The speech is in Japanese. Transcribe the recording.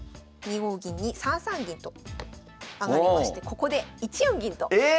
２五銀に３三銀と上がりましてここで１四銀とえ！